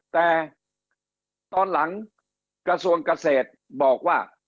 แต่ตอนหลังกระทรวงเกษตรบอกว่า